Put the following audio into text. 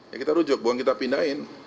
ya kita rujuk buang kita pindahin